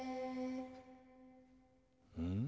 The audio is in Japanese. うん？